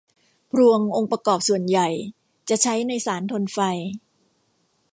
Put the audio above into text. พลวงองค์ประกอบส่วนใหญ่จะใช้ในสารทนไฟ